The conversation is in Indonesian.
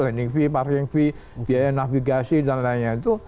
lending fee parking fee biaya navigasi dan lainnya itu